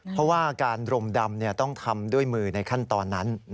เพราะว่าการรมดำต้องทำด้วยมือในขั้นตอนนั้น